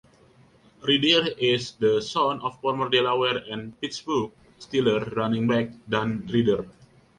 Reeder is the son of former Delaware and Pittsburgh Steelers running back Dan Reeder.